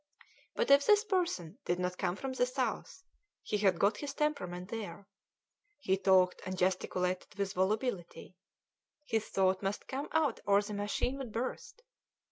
But if this person did not come from the South, he had got his temperament there; he talked and gesticulated with volubility; his thought must come out or the machine would burst.